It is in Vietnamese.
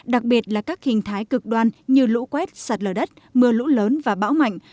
đặc biệt là các hình thái cực đoan như lũ quét sạt lở đất mưa lũ lớn và bão mạnh